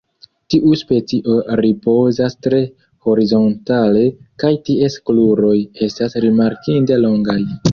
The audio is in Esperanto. Tiu specio ripozas tre horizontale, kaj ties kruroj estas rimarkinde longaj.